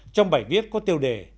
trong bài viết có tiêu đề